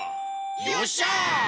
よっしゃ！